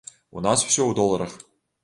У нас усё ў доларах.